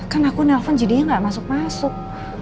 kan aku nelfon jadinya gak masuk masuk